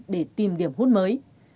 để tìm điểm hút mới